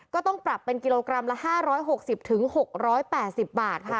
ก็ต้องปรับเป็นกิโลกรัมละ๕๖๐๖๘๐บาทค่ะ